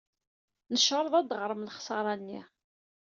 Necreḍ ad d-teɣrem lexsara-nni.